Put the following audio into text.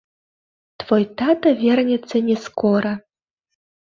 Твой тата вернецца не скора.